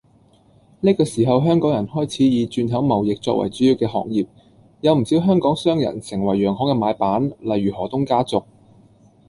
呢個時候香港人開始以轉口貿易作為主要嘅行業，有唔少香港商人成為洋行嘅買辦，例如何東家族